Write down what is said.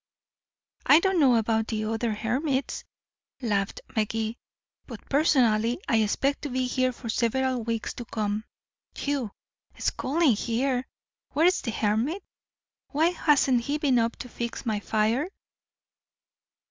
"I don't know about the other hermits," laughed Magee, "but personally, I expect to be here for several weeks to come. Whew! It's cold in here. Where's the hermit? Why hasn't he been up to fix my fire?"